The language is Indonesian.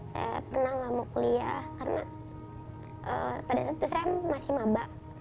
saya pernah nggak mau kuliah karena pada saat itu saya masih maba